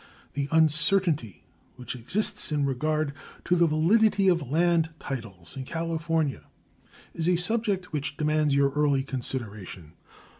The uncertainty which exists in regard to the validity of land titles in California is a subject which demands your early consideration.